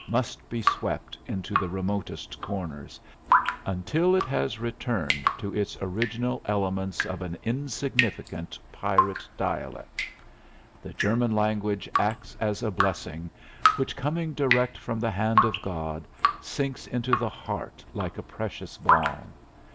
must be swept into the remotest corners ... until it has returned to its original elements of an insignificant pirate dialect. The German language acts as a blessing which, coming direct from the hand of God, sinks into the heart like a precious balm.